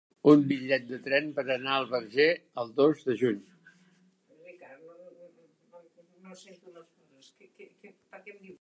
Necessito un bitllet de tren per anar al Verger el dos de juny.